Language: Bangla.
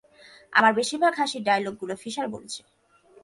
আমার বেশিরভাগ হাসির ডায়লগ গুলো ফিশার বলে ফেলেছে।